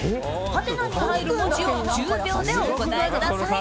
はてなに入る文字を１０秒でお答えください。